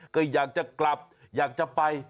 ก็อยากจะกลับอยากจะไป